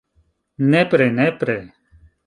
Nepre, nepre...